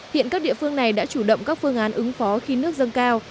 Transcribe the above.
hiện các địa phương này đã chủ động các phương án ứng phó khi nước dâng cao